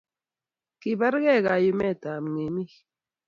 kibargei kayumetab ng'emik.